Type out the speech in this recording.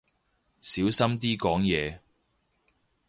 小心啲講嘢